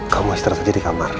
kamu istirahat aja di kamar